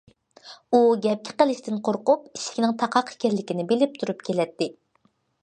ئۇ گەپكە قېلىشتىن قورقۇپ، ئىشىكنىڭ تاقاق ئىكەنلىكىنى بىلىپ تۇرۇپ كېلەتتى.